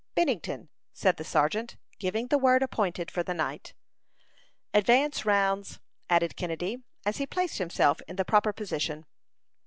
"Bennington" said the sergeant, giving the word appointed for the night. "Advance, rounds!" added Kennedy, as he placed himself in the proper position.